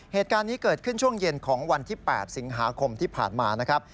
เหตุการณ์นี้เกิดขึ้นช่วงเย็นของวันที่๘สิงหาคมที่ผ่านมานะครับ